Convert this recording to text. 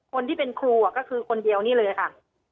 คนที่เป็นครูก็คือคนเดียวนี่เลยค่ะ